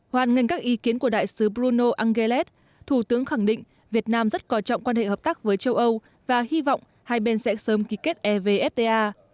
hoàn nghênh các ý kiến của đại sứ bruno angeles thủ tướng khẳng định việt nam rất coi trọng quan hệ hợp tác với châu âu và hy vọng hai bên sẽ sớm ký kết evfta